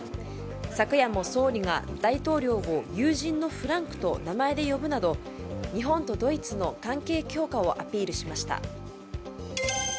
昨夜も総理が大統領を友人のフランクと名前で呼ぶなど日本とドイツの関係強化をアピールしました。